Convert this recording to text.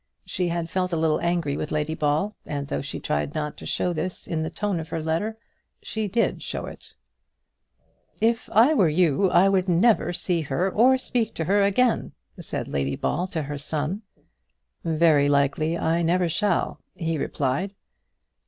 She had felt a little angry with Lady Ball; and though she tried not to show this in the tone of her letter, she did show it. "If I were you I would never see her or speak to her again," said Lady Ball to her son. "Very likely I never shall," he replied.